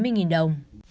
chín mươi nghìn đồng